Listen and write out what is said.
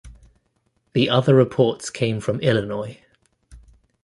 The other reports came from Illinois.